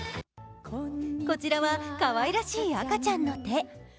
こちらはかわいらしい赤ちゃんの手。